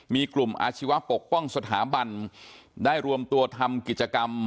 มีกลุ่มอาชีวะปกป้องสถาบันได้รวมตัวทำกิจกรรม